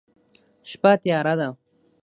شپه تیاره ده